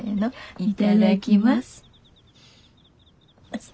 いただきます。